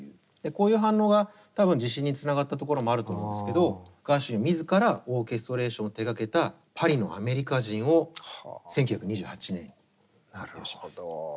こういう反応が多分自信につながったところもあると思うんですけどガーシュウィン自らオーケストレーションを手がけた「パリのアメリカ人」を１９２８年に発表します。